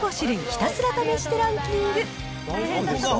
ひたすら試してランキング。